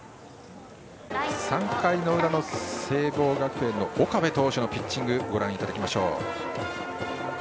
３回の裏の聖望学園の岡部投手のピッチングご覧いただきましょう。